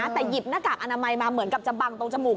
แต่หยิบหน้ากากอนามัยมาเหมือนกับจะบังตรงจมูก